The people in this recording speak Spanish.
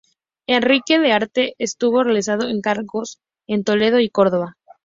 Enrique de Arfe estuvo realizando encargos en Toledo y Córdoba.